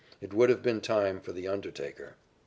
It would have been time for the undertaker.